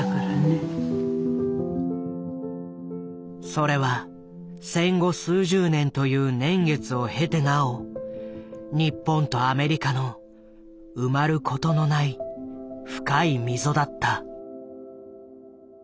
それは戦後数十年という年月を経てなお日本とアメリカの埋まることのない深い溝だった。